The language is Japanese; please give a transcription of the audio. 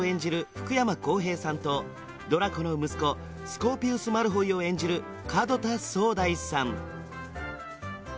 福山康平さんとドラコの息子スコーピウス・マルフォイを演じる門田宗大さん